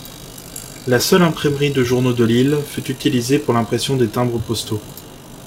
La seule imprimerie de journaux de l'île fut utilisée pour l'impression des timbres postaux.